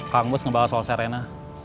kang gus ngebahas soal serena